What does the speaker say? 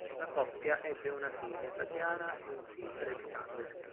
La coppia ebbe una figlia, Tatyana, ed un figlio Alexander.